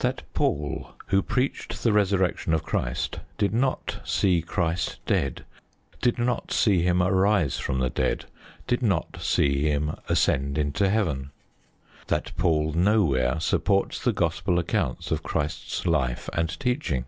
That Paul, who preached the Resurrection of Christ, did not see Christ dead, did not see Him arise from the dead, did not see Him ascend into Heaven. That Paul nowhere supports the Gospel accounts of Christ's life and teaching.